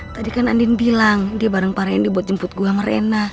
tadi kan andin bilang dia bareng pak rendy buat jemput gue sama rena